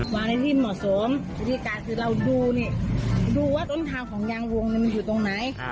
วางในดินเหมาะสมวิธีการคือเราดูเนี่ยดูว่าต้นทางของยางวงมันอยู่ตรงไหน